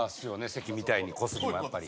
関みたいに小杉もやっぱり。